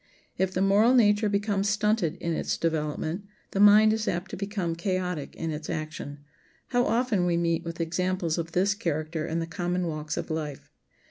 If the moral nature becomes stunted in its development the mind is apt to become chaotic in its action. How often we meet with examples of this character in the common walks of life!